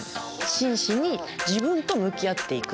真摯に自分と向き合っていく。